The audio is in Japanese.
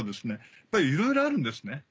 やっぱりいろいろあるんですね。